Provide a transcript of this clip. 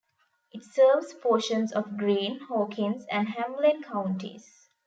It serves portions of Greene, Hawkins and Hamblen counties.